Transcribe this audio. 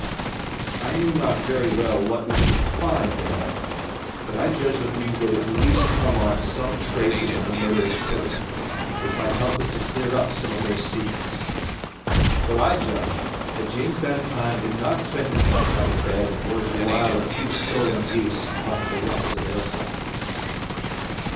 I knew not very well what we should find there, but I judged that we would at least come on some traces of the murderous crew, which might help us to clear up some of their secrets. For I judged that James Bannatyne did not spend his nights out of bed in order to wile a few solan geese off the rocks of Ailsa.